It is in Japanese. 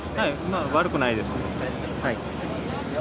悪くないです。